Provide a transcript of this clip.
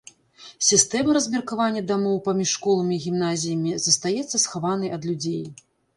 Сістэма размеркавання дамоў паміж школамі і гімназіямі застаецца схаванай ад людзей.